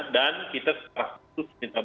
dan kita serah